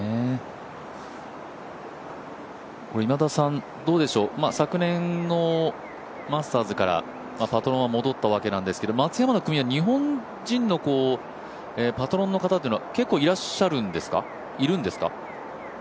今田さん、昨年のマスターズからパトロンは戻ったわけなんですけど、松山の組は日本人のパトロンの方というのは結構いらっしゃるんですか？